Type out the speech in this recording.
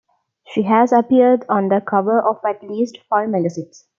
She has appeared on the cover of at-least five magazines.